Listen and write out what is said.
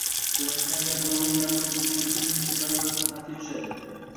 Ko'rinishidan, yadroviy yadro bizga bir necha baravar qimmatga tushadi